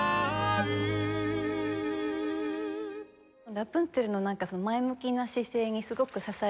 ラプンツェルの前向きな姿勢にすごく支えられたので。